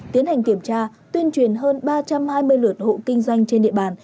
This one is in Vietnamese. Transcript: tiến hành kiểm tra tuyên truyền hơn ba trăm hai mươi lượt hộ kinh doanh trên địa bàn